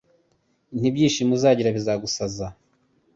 Nti ibyishimo uzagira bizagusaza